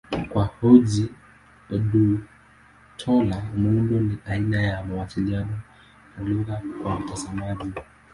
Kwa Ojih Odutola, muundo ni aina ya mawasiliano na lugha kwa mtazamaji.